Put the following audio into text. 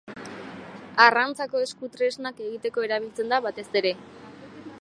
Arrantzako esku-tresnak egiteko erabiltzen da batez ere.